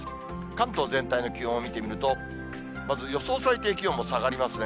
関東全体の気温を見てみると、まず予想最低気温も下がりますね。